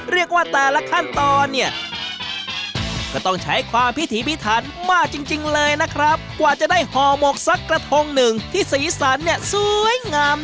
เรียกว่าแต่ละขั้นตอนเนี่ย